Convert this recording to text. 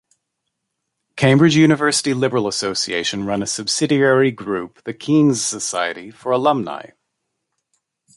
Cambridge University Liberal Association run a subsidiary group, the Keynes Society, for alumni.